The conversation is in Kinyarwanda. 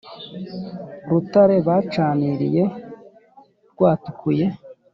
rutare bacaniriye rwatukuye.